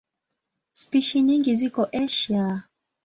Spishi nyingi ziko Asia.